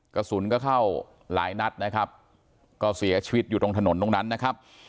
กระสุนก็เข้าหลายนัดนะครับก็เสียชีวิตอยู่ตรงถนนตรงนั้นนะครับ